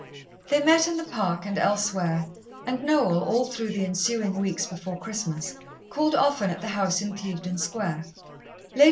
They met in the Park and elsewhere, and Noel, all through the ensuing weeks before Christmas, called often at the house in Clevedon Square.